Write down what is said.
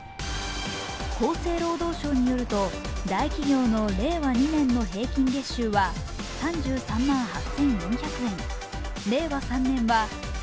厚生労働省によると大企業の令和２年の平均月収は３８万８４００円。